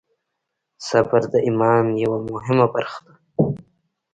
صبر د ایمان یوه مهمه برخه ده.